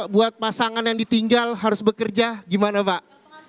buat pasangan yang ditinggal harus bekerja gimana pak